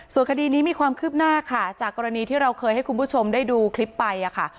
ส่วนคดีนี้มีความคืบหน้าค่ะจากกรณีที่เราเคยให้คุณผู้ชมได้ดูคลิปไปค่ะ